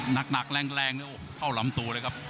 หนักแรงเข้าลำตัวเลยครับ